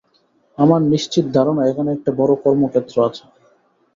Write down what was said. আমার নিশ্চিত ধারণা এখানে একটা বড় কর্মক্ষেত্র আছে।